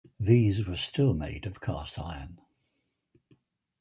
These were still made of cast iron.